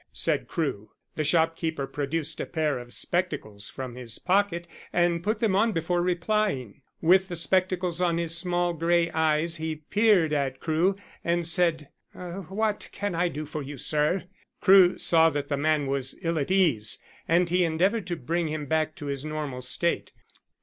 said Crewe. The shopkeeper produced a pair of spectacles from his pocket and put them on before replying. With the spectacles on his small grey eyes he peered at Crewe, and said: "What can I do for you, sir?" Crewe saw that the man was ill at ease, and he endeavoured to bring him back to his normal state.